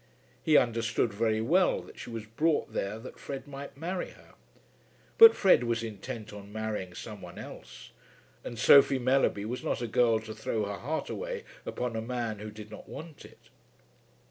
He understood very well that she was brought there that Fred might marry her; but Fred was intent on marrying some one else, and Sophie Mellerby was not a girl to throw her heart away upon a man who did not want it.